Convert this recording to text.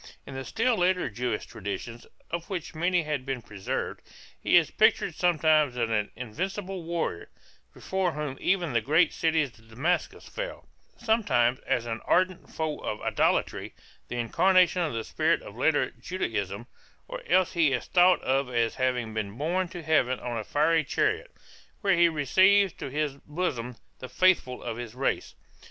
In the still later Jewish traditions, of which many have been preserved, he is pictured sometimes as an invincible warrior, before whom even the great city of Damascus fell, sometimes as an ardent foe of idolatry, the incarnation of the spirit of later Judaism, or else he is thought of as having been borne to heaven on a fiery chariot, where he receives to his bosom the faithful of his race.